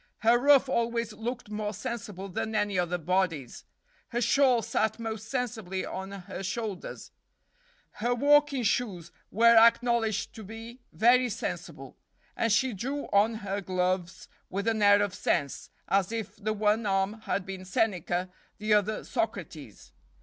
Her ruff always looked more sensible than any other body's; her shawl sat most sensibly on her shoulders; her walking shoes were acknowledged to be very sensible, and she drew on her gloves with an air of sense, as if the one arm had been Seneca, the other Socrates.